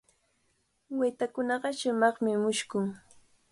Waytakunaqa shumaqmi mushkun.